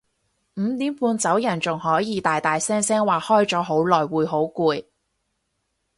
五點半走人仲可以大大聲話開咗好耐會好攰